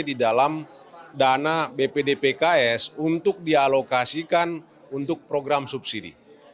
di dalam dana bpdpks untuk dialokasikan untuk program subsidi